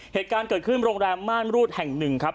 เหตุการณ์เกิดขึ้นโรงแรมม่านรูดแห่งหนึ่งครับ